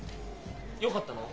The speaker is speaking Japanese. よかったの？